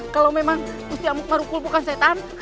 kalau memang busti amuk marukul bukan setan